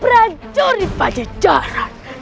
para jurid pajajaran